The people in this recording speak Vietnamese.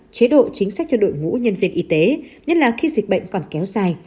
chế độ chính sách cho đội ngũ nhân viên y tế nhất là khi dịch bệnh còn kéo dài